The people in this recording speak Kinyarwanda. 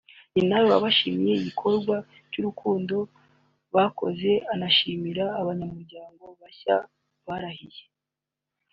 na we wabashimiye igikorwa cy’urukundo bakoze anashimira abanyamuryango bashya barahiye